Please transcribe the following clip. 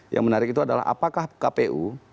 yang menarik itu adalah apakah kpu